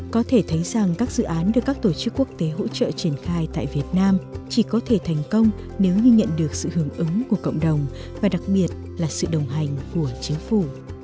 có thể thấy rằng các dự án được các tổ chức quốc tế hỗ trợ triển khai tại việt nam chỉ có thể thành công nếu như nhận được sự hưởng ứng của cộng đồng và đặc biệt là sự đồng hành của chính phủ